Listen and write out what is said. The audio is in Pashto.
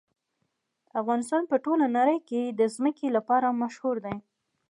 افغانستان په ټوله نړۍ کې د ځمکه لپاره مشهور دی.